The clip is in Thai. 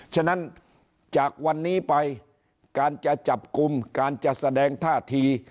ฉะนั้นจากวันนี้ไปการจะจับกลุ่มการจะแสดงท่าที